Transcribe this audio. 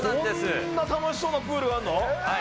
こんな楽しそうなプールがあるの？